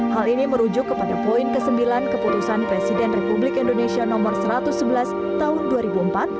hal ini merujuk kepada poin ke sembilan keputusan presiden republik indonesia nomor satu ratus sebelas tahun dua ribu empat